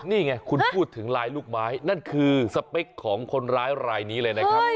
นี่ไงคุณพูดถึงลายลูกไม้นั่นคือสเปคของคนร้ายรายนี้เลยนะครับ